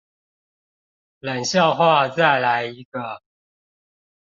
冷笑話再來一個